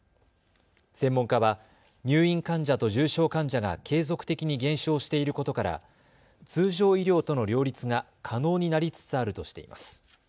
専門家は入院患者と重症患者が継続的に減少していることから通常医療との両立が可能になりつつあるとしています。